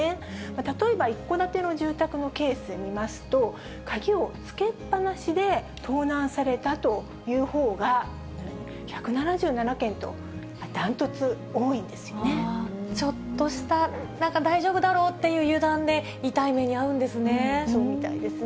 例えば一戸建ての住宅のケースで見ますと、鍵をつけっぱなしで盗難されたというほうが、１７７件と、断トツちょっとした、なんか大丈夫だろうっていう油断で、そうみたいですね。